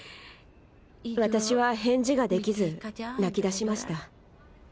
私は返事ができず泣きだしました。